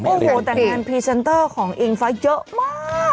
โอ้โหแต่งงานพรีเซนเตอร์ของอิงฟ้าเยอะมาก